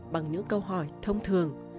bằng những câu hỏi thông thường